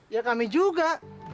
ya kami juga